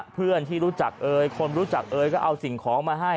เพื่อนที่รู้จักเอ่ยคนรู้จักเอ๋ยก็เอาสิ่งของมาให้